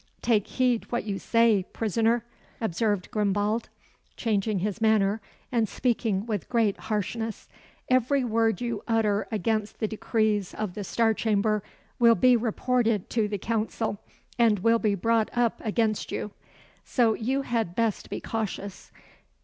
"Take heed what you say, prisoner," observed Grimbald, changing his manner, and speaking with great harshness. "Every word you utter against the decrees of the Star Chamber, will be reported to the Council, and will be brought up against you; so you had best be cautious.